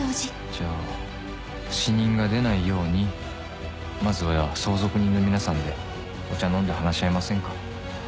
「じゃあ死人が出ないようにまずは相続人の皆さんでお茶飲んで話し合いませんか？」